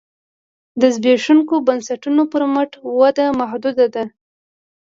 زبېښونکو بنسټونو پر مټ وده محدوده ده.